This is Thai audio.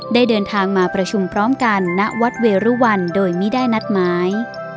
เดินทางมาประชุมพร้อมกันณวัดเวรุวันโดยไม่ได้นัดหมาย